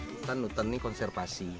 hutan hutan ini konservasi